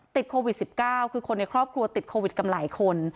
ติดโควิด๑๙คือคนในครอบครัวติดโควิดกันหลายคน